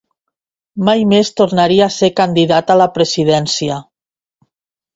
Mai més tornaria a ser candidat a la presidència.